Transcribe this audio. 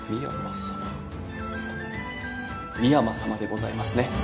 あっ深山さまでございますね。